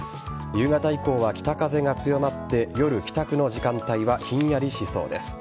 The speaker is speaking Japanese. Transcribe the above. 夕方以降は北風が強まって夜、帰宅の時間帯はひんやりしそうです。